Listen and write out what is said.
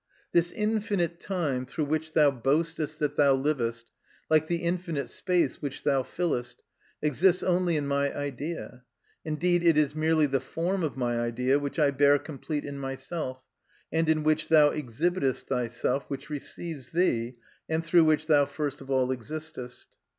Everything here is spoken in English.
_ This infinite time through which thou boastest that thou livest, like the infinite space which thou fillest, exists only in my idea. Indeed it is merely the form of my idea which I bear complete in myself, and in which thou exhibitest thyself, which receives thee, and through which thou first of all existest.